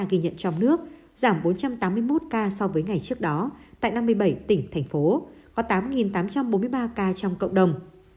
ghi nhận trong nước giảm bốn trăm tám mươi một ca so với ngày trước đó tại năm mươi bảy tỉnh thành phố có tám tám trăm bốn mươi ba ca trong cộng đồng